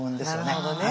なるほどね。